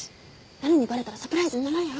なるにバレたらサプライズにならんやろ。